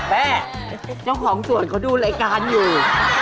แม่เจ้าของสวนเขาดูรายการอยู่